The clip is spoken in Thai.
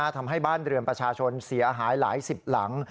ทำให้บ้านเรือนประชาชนเสียหายหลายสิบหลัง